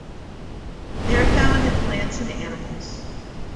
They are found in plants and animals.